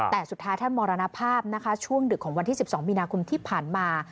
แต่สุดท้ายท่านมรณภาพนะคะช่วงดึกของวันที่๑๒มีนาคมที่ผ่านมา